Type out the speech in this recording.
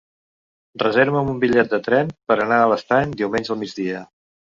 Reserva'm un bitllet de tren per anar a l'Estany diumenge al migdia.